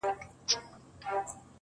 د انصاف په تله خپل او پردي واړه,